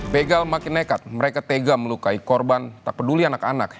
begal makin nekat mereka tega melukai korban tak peduli anak anak